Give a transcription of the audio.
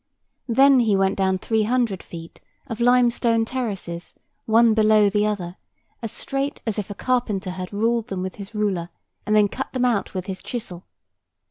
Then he went down three hundred feet of lime stone terraces, one below the other, as straight as if a carpenter had ruled them with his ruler and then cut them out with his chisel.